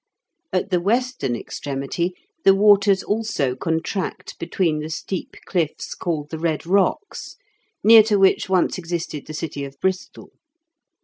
At the western extremity the waters also contract between the steep cliffs called the Red Rocks, near to which once existed the city of Bristol.